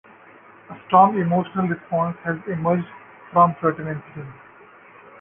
A strong emotional response has emerged from certain incidents.